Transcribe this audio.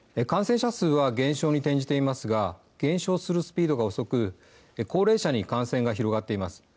感染者数は減少に転じていますが減少するスピードが遅く高齢者に感染が広がっています。